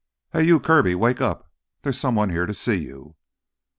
"Hey, you! Kirby, wake up! There's someone here to see you!"